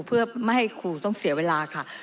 เพื่อไม่ให้ครูต้องเสียเวลาค่ะ